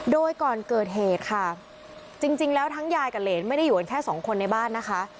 โดยก่อนเกิดเหตุค่ะจริงแล้วทั้งยายกับเหรนไม่ได้อยู่กันแค่สองคนในบ้านนะคะ